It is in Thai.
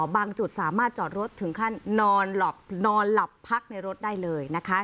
บางจุดสามารถจอดรถถึงขั้นนอนหลับนอนหลับพักในรถได้เลยนะคะ